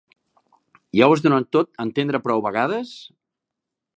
Ja ho has donat a entendre prou vegades.